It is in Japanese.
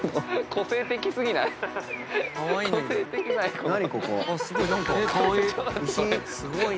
個性的過ぎない？